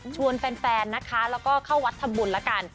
ชวนแฟนนะคะแล้วก็เข้าวัดทำบุญแล้วกัน